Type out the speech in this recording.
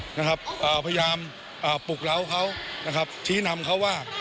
พยายามปลูกร้าวเขาชี้นำเขาว่า